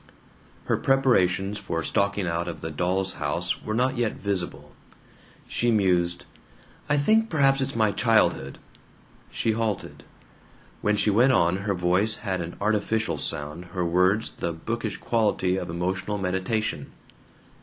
Her preparations for stalking out of the Doll's House were not yet visible. She mused: "I think perhaps it's my childhood." She halted. When she went on her voice had an artificial sound, her words the bookish quality of emotional meditation.